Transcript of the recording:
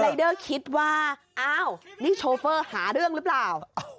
เดอร์คิดว่าอ้าวนี่โชเฟอร์หาเรื่องหรือเปล่า